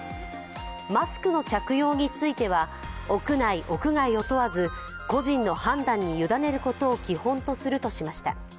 マスクの着用については屋内・屋外を問わず個人の判断に委ねることを基本とするとしました。